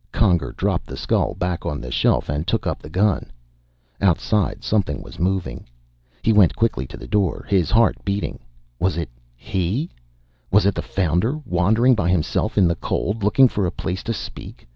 Conger dropped the skull back on the shelf and took up the gun. Outside something was moving. He went quickly to the door, his heart beating. Was it he? Was it the Founder, wandering by himself in the cold, looking for a place to speak?